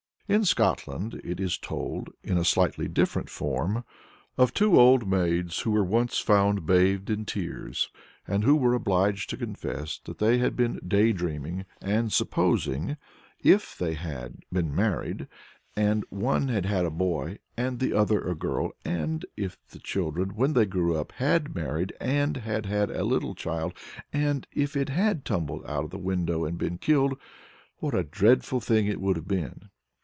In Scotland it is told, in a slightly different form, of two old maids who were once found bathed in tears, and who were obliged to confess that they had been day dreaming and supposing if they had been married, and one had had a boy and the other a girl; and if the children, when they grew up, had married, and had had a little child; and if it had tumbled out of the window and been killed what a dreadful thing it would have been.